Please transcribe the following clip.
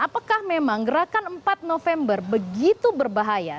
apakah memang gerakan empat november begitu berbahaya